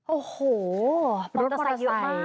โอ้โหรถมอเตอร์ไซค์เยอะมาก